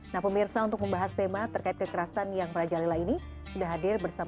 nah pemirsa untuk membahas tema terkait kekerasan yang merajalela ini sudah hadir bersama